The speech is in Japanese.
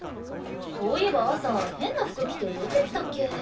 そういえば朝変な服着て出てったっけ。